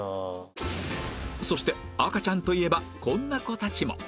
そして赤ちゃんといえばこんな子たちも